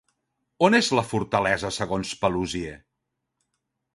On és la fortalesa, segons Paluzie?